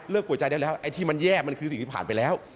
ป่วยใจได้แล้วไอ้ที่มันแย่มันคือสิ่งที่ผ่านไปแล้ว